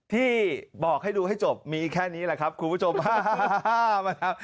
ที่บอกให้ดูให้จบมีแค่นี้แหละครับคุณผู้ชมฮ่าฮ่าฮ่าฮ่ามาครับ